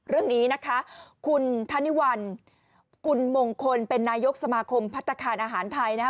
เรื่องนี้นะคะคุณธนิวัลกุลมงคลเป็นนายกสมาคมพัฒนาคารอาหารไทยนะคะ